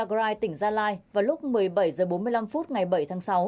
huyện iagrai tỉnh gia lai vào lúc một mươi bảy h bốn mươi năm ngày bảy tháng sáu